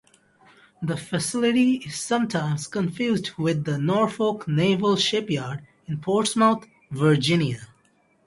The facility is sometimes confused with the Norfolk Naval Shipyard in Portsmouth, Virginia.